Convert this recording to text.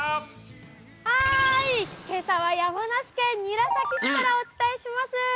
はい、けさは山梨県韮崎市からお伝えします。